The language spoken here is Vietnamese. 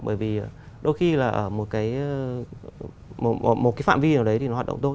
bởi vì đôi khi là ở một cái phạm vi nào đấy thì nó hoạt động thôi